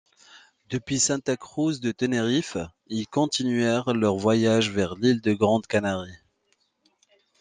Depuis Santa Cruz de Tenerife ils continuèrent leur voyage vers l'île de Grande Canarie.